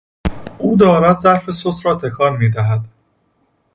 او دارد ظرف سس را تکان میدهد.